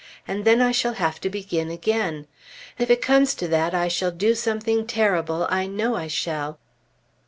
And then I shall have to begin again! If it comes to that I shall do something terrible. I know I shall."